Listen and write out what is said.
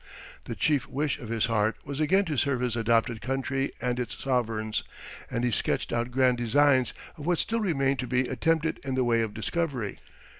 The chief wish of his heart was again to serve his adopted country and its sovereigns, and he sketched out grand designs of what still remained to be attempted in the way of discovery.